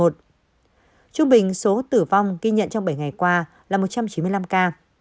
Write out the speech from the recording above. trung bình số tử vong ghi nhận trong bảy ngày qua là một trăm chín mươi năm ca